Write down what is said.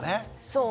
そう。